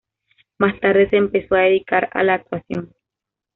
Más tarde se empezó a dedicar a la actuación.